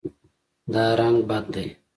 دا رنګ بد دی